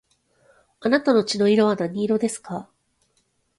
あなたの血の色は何色ですか